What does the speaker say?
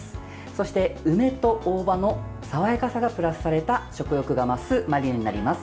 そして、梅と大葉の爽やかさがプラスされた食欲が増すマリネになります。